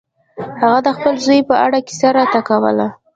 هغه د خپل زوی په اړه کیسه راته کوله.